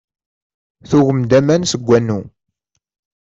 Tugem-d aman seg wanu.